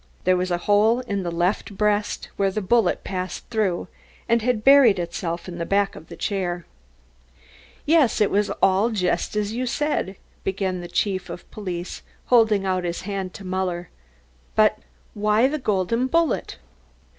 There was a hole in the left breast, where the bullet, passing through, had buried itself in the back of the chair. "Yes, it was all just as you said," began the chief of police, holding out his hand to Muller. "But why the golden bullet?"